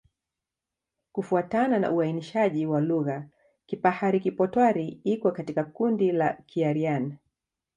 Kufuatana na uainishaji wa lugha, Kipahari-Kipotwari iko katika kundi la Kiaryan.